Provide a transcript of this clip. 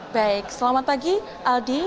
baik selamat pagi aldi